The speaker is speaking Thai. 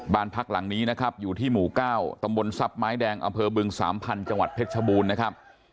บ้านพักหลังนี้นะครับอยู่ที่หมู่๙ตำบลทรัพย์ไม้แดงอำเภอบึงสามพันธุ์จังหวัดเพชรชบูรณ์นะครับ